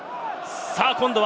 今度は？